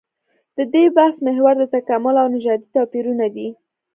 د دې بحث محور د تکامل او نژادي توپيرونه دي.